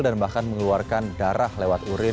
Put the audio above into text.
dan bahkan mengeluarkan darah lewat urin